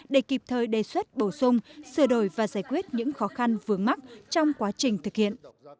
để kịp thời đề xuất bổ sung sửa đổi và giải quyết những khó khăn vướng mắt trong quá trình thực hiện